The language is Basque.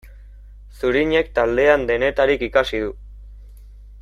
Zurinek taldean denetarik ikasi du.